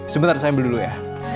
sebentar saya ambil dulu ya